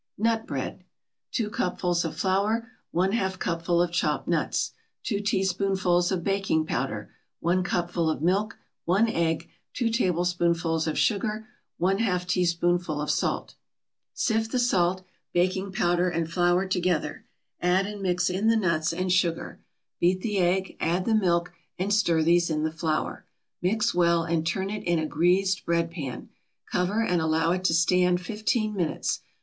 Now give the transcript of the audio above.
NUT BREAD 2 cupfuls of flour 1/2 cupful of chopped nuts 2 teaspoonfuls of baking powder 1 cupful of milk 1 egg 2 tablespoonfuls of sugar 1/2 teaspoonful of salt Sift the salt, baking powder and flour together, add and mix in the nuts and sugar. Beat the egg, add the milk, and stir these in the flour. Mix well, and turn it in a greased bread pan. Cover, and allow it to stand fifteen minutes.